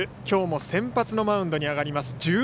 きょうも先発のマウンドに上がります。